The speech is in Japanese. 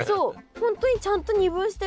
本当にちゃんと二分してるらしいです